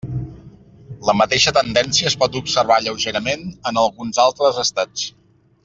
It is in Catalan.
La mateixa tendència es pot observar lleugerament en alguns altres estats.